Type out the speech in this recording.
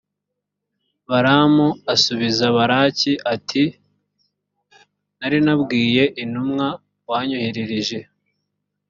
balamu asubiza balaki, ati nari nabwiye intumwa wanyoherereje.